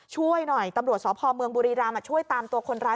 ช่วยหน่อยตำรวจสพเมืองบุรีรำช่วยตามตัวคนร้าย